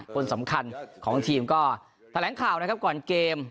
คนสำคัญของทีมก็แถลงข่าวนะครับก่อนเกม